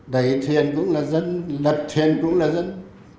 đẩy thuyền cũng là dân lật thuyền cũng là dân